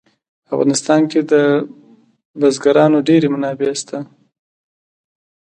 په افغانستان کې د بزګانو ډېرې منابع شته.